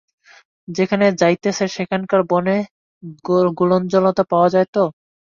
যেখানে যাইতেছে, সেখানকার বনে গুলঞ্চলতা পাওয়া যায় তো?